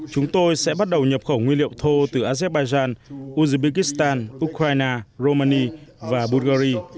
chúng tôi sẽ bắt đầu nhập khẩu nguyên liệu thô từ azerbaijan uzbekistan ukraine romania và bulgaria